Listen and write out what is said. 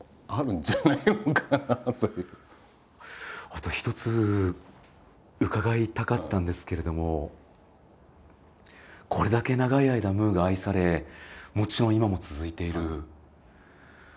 あと一つ伺いたかったんですけれどもこれだけ長い間「ムー」が愛されもちろん今も続いている。